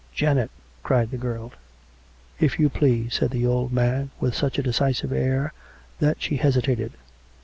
" Janet " cried the girl. " If you please," said the old man, with such a decisive air that she hesitated.